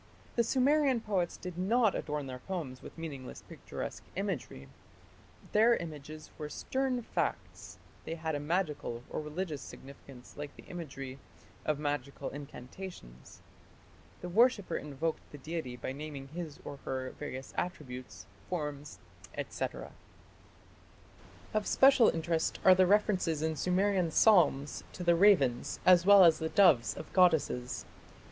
The Sumerian poets did not adorn their poems with meaningless picturesque imagery; their images were stern facts; they had a magical or religious significance like the imagery of magical incantations; the worshipper invoked the deity by naming his or her various attributes, forms, &c. Of special interest are the references in Sumerian psalms to the ravens as well as the doves of goddesses.